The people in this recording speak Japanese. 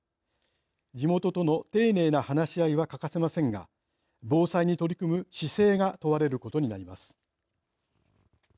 地元との丁寧な話し合いは欠かせませんが防災に取り組む姿勢が問われることになります。